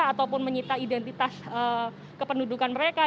ataupun menyita identitas kependudukan mereka